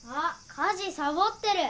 家事サボってる！